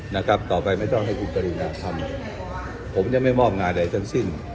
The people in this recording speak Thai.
นะครับต่อไปไม่ต้องให้คุณกริณาทำผมจะไม่มอบงานใดทั้งสิ้น